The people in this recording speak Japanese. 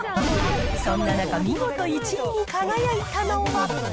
そんな中、見事１位に輝いたのは。